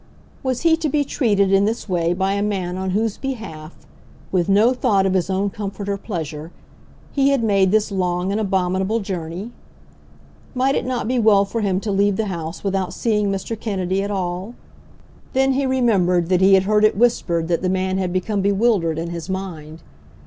Was he to be treated in this way by a man on whose behalf, with no thought of his own comfort or pleasure, he had made this long and abominable journey? Might it not be well for him to leave the house without seeing Mr. Kennedy at all? Then he remembered that he had heard it whispered that the man had become bewildered in his mind.